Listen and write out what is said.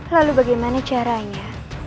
lalu bagaimana caranya